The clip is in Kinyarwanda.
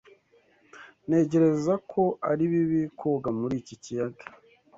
Ntekereza ko ari bibi koga muri iki kiyaga.